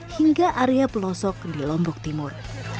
hingga area pelosok di lombok timur